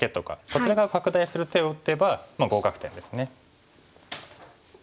こちら側拡大する手を打てば合格点ですね。